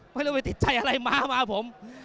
ไม่รู้ไปติดใจอะไรมามาผม